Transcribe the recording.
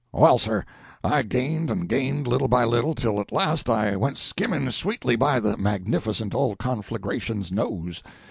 Well, sir, I gained and gained, little by little, till at last I went skimming sweetly by the magnificent old conflagration's nose.